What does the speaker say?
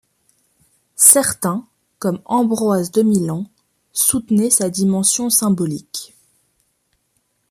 Certains, comme Ambroise de Milan, soutenaient sa dimension symbolique.